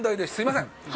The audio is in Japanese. すみません。